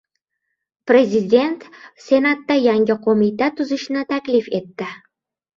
Prezident Senatda yangi qo‘mita tuzishni taklif etdi